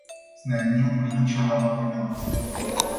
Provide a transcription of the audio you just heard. Să ne aliniem politicile la valorile noastre.